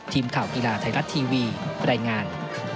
ทีมข่าวกีฬาไทยรัฐทีวีรายงาน